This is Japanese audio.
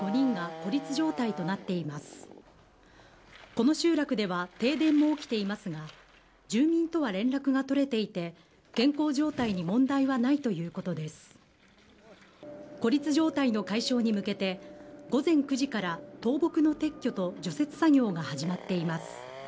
孤立状態の解消に向けて、午前９時から倒木の撤去と除雪作業が始まっています。